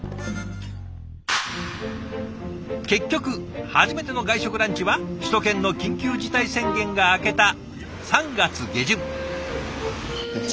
結局初めての外食ランチは首都圏の緊急事態宣言が明けた３月下旬。